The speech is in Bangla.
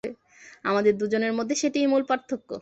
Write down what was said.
আমাদের দুজনের মধ্যে সেটিই মূল পার্থক্য।